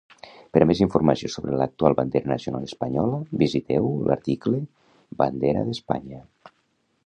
Per a més informació sobre l'actual bandera nacional espanyola, visiteu l'article Bandera d'Espanya.